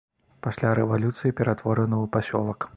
Пасля рэвалюцыі ператвораны ў пасёлак.